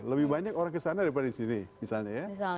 lebih banyak orang kesana daripada disini misalnya ya